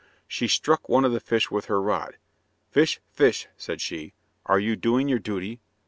She struck one of the fish with her rod, "Fish, fish," said she, "are you doing your duty?"